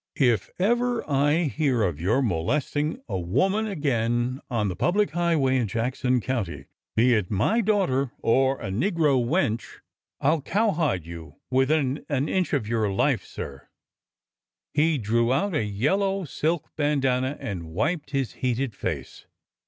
If ever I hear of your molesting a woman again on the public highway in Jackson County, be it my daughter or a negro wench, I 'll cowhide you within an inch of your life, sir 1 " He drew out a yellow silk bandana and wiped his heated face.